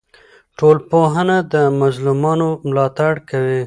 ټولنپوهنه د مظلومانو ملاتړ کوي.